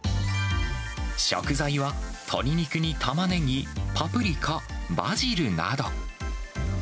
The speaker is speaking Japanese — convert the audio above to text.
食材は、鶏肉にタマネギ、パプリカ、バジルなど。